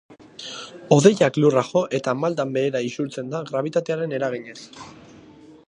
Hodeiak lurra jo eta maldan behera isurtzen da grabitatearen eraginez.